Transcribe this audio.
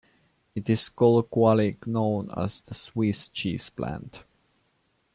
It is colloquially known as the "Swiss cheese plant".